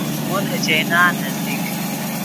مو نے چائینان نزدیک